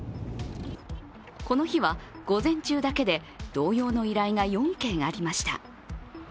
この日は午前中だけで同様の依頼が４件ありました。